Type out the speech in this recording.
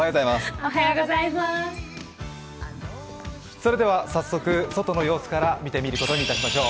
それでは早速、外の様子から見てみることにいたしましょう。